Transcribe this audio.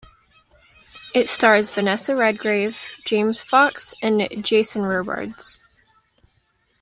It stars Vanessa Redgrave, James Fox, and Jason Robards.